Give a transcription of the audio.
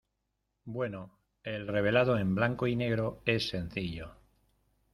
bueno, el revelado en blanco y negro es sencillo.